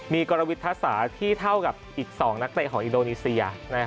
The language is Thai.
มีกรวิทยาศาสตร์ที่เท่ากับอีก๒นักเตะของอินโดนีเซีย